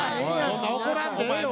そんな怒らんでええよ